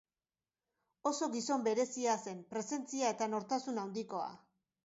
Oso gizon berezia zen, presentzia eta nortasun handikoa.